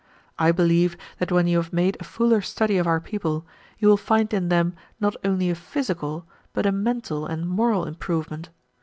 I believe that when you have made a fuller study of our people you will find in them not only a physical, but a mental and moral improvement.